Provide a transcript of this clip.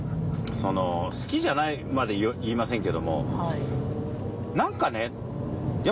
その「好きじゃない」まで言いませんけどもはい。